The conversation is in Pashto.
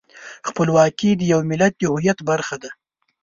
خپلواکي د یو ملت د هویت برخه ده.